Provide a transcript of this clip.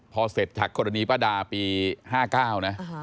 พอเสร็จจากกรณีป้าดาปี๕๙นะ